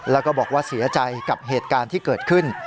แล้วก็บอกว่าเสียใจกับเหตุการณ์ที่เกิดขึ้น